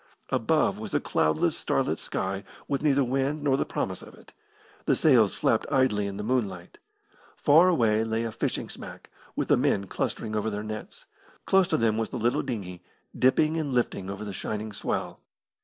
Above was a cloudless, starlit sky, with neither wind nor the promise of it. The sails flapped idly in the moonlight. Far away lay a fishing smack, with the men clustering over their net. Close to them was the little dinghy, dipping and lifting over the shining swell.